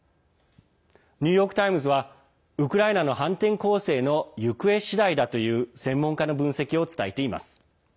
ニューヨーク・タイムズはウクライナの反転攻勢の行方次第だという専門家の分析を伝えています。